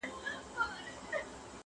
ورته پسونه او نذرونه راځي -